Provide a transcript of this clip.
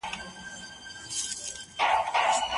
تاسو ولې زما د بریښنالیک ځواب په وخت نه و راکړی؟